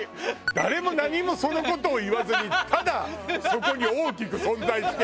誰も何もその事を言わずにただそこに大きく存在している。